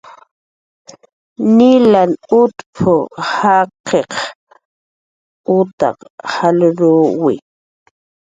"Nilla uk""p"" jaqiq utar jalruwi"